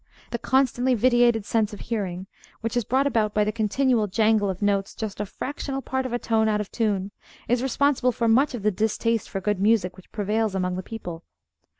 The constantly vitiated sense of hearing, which is brought about by the continual jangle of notes just a fractional part of a tone out of tune, is responsible for much of the distaste for good music which prevails among the people.